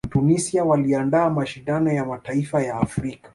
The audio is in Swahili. tunisia waliandaa mashindano ya mataifa ya afrika